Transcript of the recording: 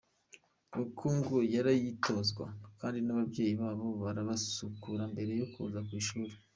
Kuko ngo barayitozwa kandi n’ababyeyi babo barabasukura mbere yo kuza ku ishuri.